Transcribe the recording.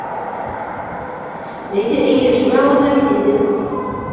Эйе, эйе, шуны аңлатам бит инде...